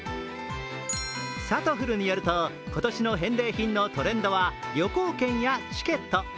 さとふるによると、今年の返礼品のトレンドは旅行券やチケット。